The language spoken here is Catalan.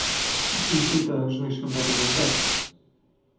I quins ciutadans no hi són representats?